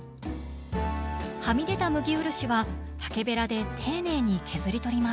はみ出た麦漆は竹べらで丁寧に削り取ります。